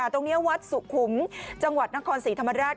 ตรงนี้วัดสุขุมจังหวัดนครศรีธรรมราช